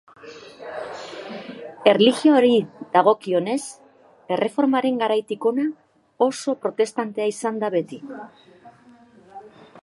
Erlijioari dagokionez Erreformaren garaitik hona oso protestantea izan da beti.